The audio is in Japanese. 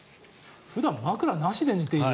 普段、枕なしで寝ている？